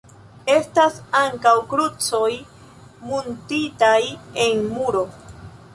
Estas ankaŭ krucoj muntitaj en muro.